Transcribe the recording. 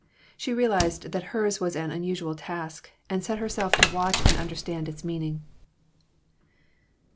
She realized that hers was an unusual task, and set herself to watch and understand its meaning.